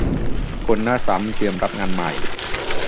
คนหน้าซ้ำเตรียมรับงานใหม่